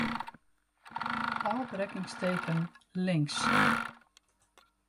Ofbrekkingsteken links.